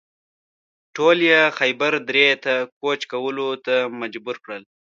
ټول یې خیبر درې ته کوچ کولو ته مجبور کړل.